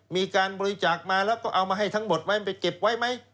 มีการบริจาคมาแล้วก็เอามาให้ทั้งหมดไว้ไปเก็บไว้ไหม